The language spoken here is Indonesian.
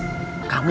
ada ada aja sih ini